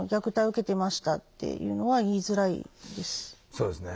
そうですね。